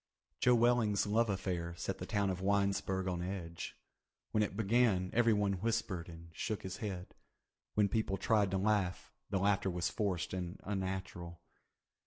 Joe Welling's love affair set the town of Winesburg on edge. When it began everyone whispered and shook his head. When people tried to laugh, the laughter was forced and unnatural.